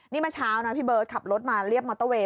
นี่เมื่อเช้านะพี่เบิร์ตขับรถมาเรียบมอเตอร์เวย